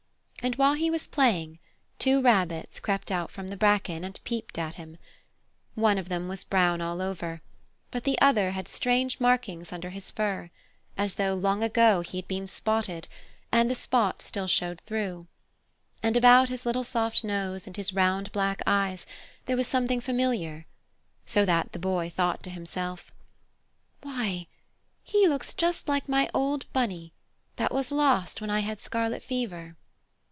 And while he was playing, two rabbits crept out from the bracken and peeped at him. One of them was brown all over, but the other had strange markings under his fur, as though long ago he had been spotted, and the spots still showed through. And about his little soft nose and his round black eyes there was something familiar, so that the Boy thought to himself: "Why, he looks just like my old Bunny that was lost when I had scarlet fever!"